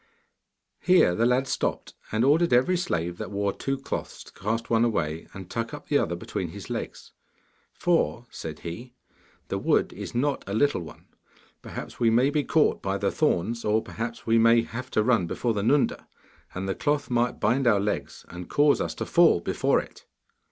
Here the lad stopped, and ordered every slave that wore two cloths to cast one away and tuck up the other between his legs. 'For,' said he, 'the wood is not a little one. Perhaps we may be caught by the thorns, or perhaps we may have to run before the Nunda, and the cloth might bind our legs, and cause us to fall before it.